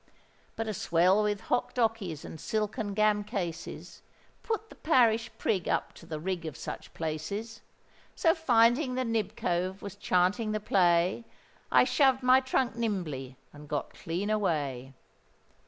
But a swell with hock dockeys and silken gam cases, Put the parish prig up to the rig of such places;— So, finding the nib cove was chanting the play, I shov'd my trunk nimbly and got clean away.